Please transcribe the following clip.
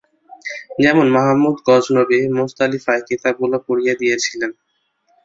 যেমন মাহমুদ গযনবী, মুতাযিলাদের কিতাবগুলো পুড়িয়ে দিয়েছিলেন।